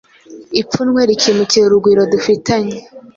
Ipfunwe rikimukira urugwiro duitanye